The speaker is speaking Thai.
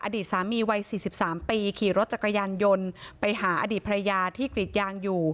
อดีตสามีวัย๔๓ปีขี่รถจักรยานยนต์ไปหาอดีตภรรยาที่กรีดยางอยู่